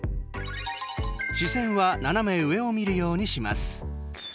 視線は斜め上を見るようにします。